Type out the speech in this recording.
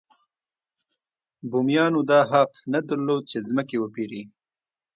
بومیانو دا حق نه درلود چې ځمکې وپېري.